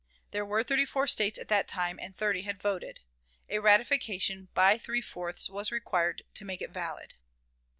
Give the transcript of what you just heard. There were thirty four States at that time, and thirty had voted. A ratification by three fourths was required to make it valid.